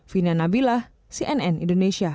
vina nabilah cnn indonesia